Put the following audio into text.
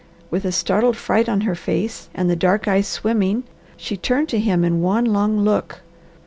With a startled fright on her face, and the dark eyes swimming, she turned to him in one long look.